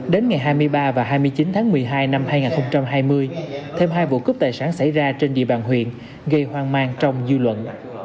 đến ngày hai mươi ba và hai mươi chín tháng một mươi hai năm hai nghìn hai mươi thêm hai vụ cướp tài sản xảy ra trên địa bàn huyện gây hoang mang trong dư luận